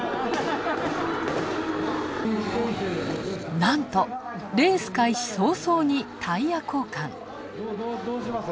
なんと、レース開始早々にタイヤ交換。